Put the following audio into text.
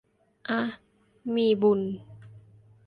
อ๊ะ มีบุญ